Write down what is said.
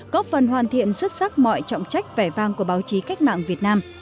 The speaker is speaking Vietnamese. góp phần hoàn thiện xuất sắc mọi trọng trách vẻ vang của báo chí cách mạng việt nam